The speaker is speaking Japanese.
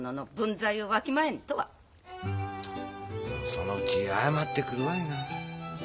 そのうち謝ってくるわいな。